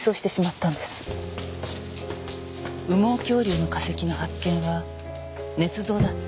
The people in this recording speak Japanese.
羽毛恐竜の化石の発見は捏造だった。